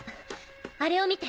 あれを見て！